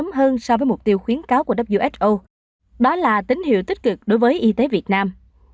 điều này không so với mục tiêu khuyến cáo của who đó là tín hiệu tích cực đối với y tế việt nam